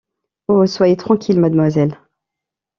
Oh! soyez tranquille, mademoiselle.